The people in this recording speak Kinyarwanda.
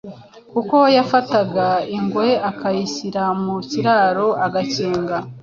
kuko yafataga imwe akayishyira mu kiraro agakinga;